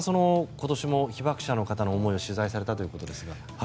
今年も被爆者の方の思いを取材されたということですが。